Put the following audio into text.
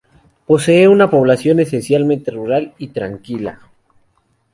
Posee una población esencialmente rural y tranquila.